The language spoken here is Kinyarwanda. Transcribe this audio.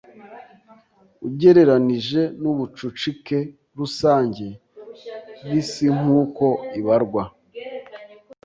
ugereranije n'ubucucike rusange bw'isinkuko ibarwa